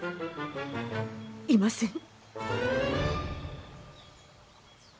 いません。